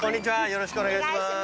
よろしくお願いします。